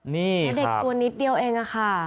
นี่ครับเด็กตัวนิดเดียวเองค่ะ